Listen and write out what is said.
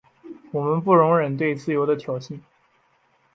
我们不容忍对自由的挑衅。